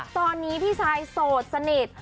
ตอนนี้พี่ซายโสดสนิท